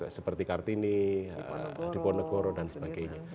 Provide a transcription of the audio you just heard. seperti kartini diponegoro dan sebagainya